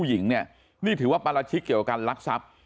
ผู้หญิงนี่ถือว่าปรัชฌิกเกี่ยวกับการลักษัพ